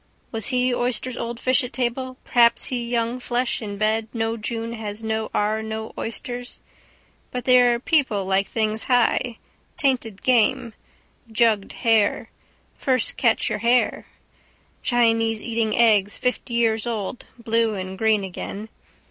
Was he oysters old fish at table perhaps he young flesh in bed no June has no ar no oysters. But there are people like things high. Tainted game. Jugged hare. First catch your hare. Chinese eating eggs fifty years old, blue and green again.